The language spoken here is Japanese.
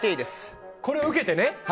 これを受けてね。